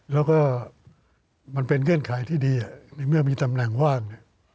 แล้วก็มันเป็นเงื่อนไขที่ดีในเมื่อมีตำแหน่งว่าง